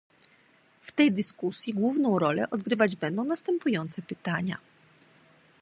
W tej dyskusji główną rolę odgrywać będą następujące pytania